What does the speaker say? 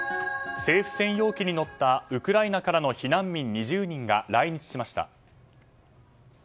政府専用機に乗ったウクライナからの避難民２０人が来日しました。